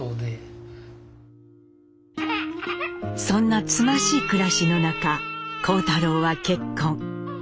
そんなつましい暮らしの中幸太郎は結婚。